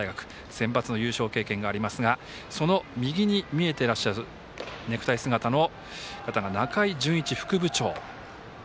センバツの優勝経験がございますがその右に見えていらっしゃるネクタイ姿の方が中井惇一副部長。